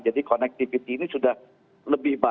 jadi connectivity ini sudah lebih baik